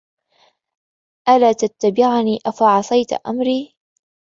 أَلَّا تَتَّبِعَنِ أَفَعَصَيْتَ أَمْرِي